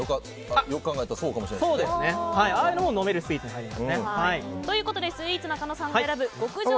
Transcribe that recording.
ああいうのも飲めるスイーツに入りますね。ということでスイーツなかのさんが選ぶ極上！